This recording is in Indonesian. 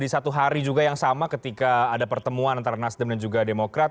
di satu hari juga yang sama ketika ada pertemuan antara nasdem dan juga demokrat